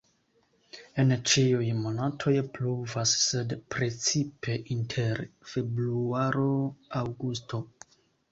En ĉiuj monatoj pluvas, sed precipe inter februaro-aŭgusto.